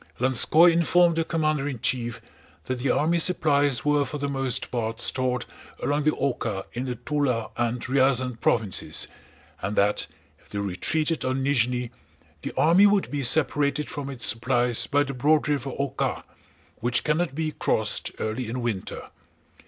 Lanskóy informed the commander in chief that the army supplies were for the most part stored along the Oká in the Túla and Ryazán provinces, and that if they retreated on Nízhni the army would be separated from its supplies by the broad river Oká, which cannot be crossed early in winter.